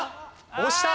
押した！